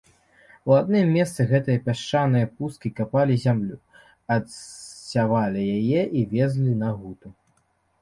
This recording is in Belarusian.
У адным месцы гэтае пясчанае пусткі капалі зямлю, адсявалі яе і везлі на гуту.